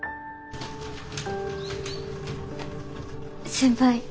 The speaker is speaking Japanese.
先輩。